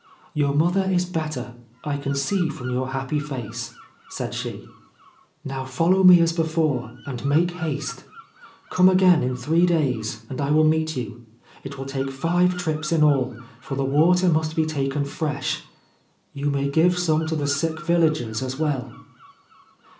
c Your mother is better : I can see from your happy face/ said she. ' Now follow me as before, and make 192 Yosoji's Camellia Tree haste. Come again in three days, and I will meet you. It will take five trips in all, for the water must be taken fresh. You may give some to the sick villagers as well.'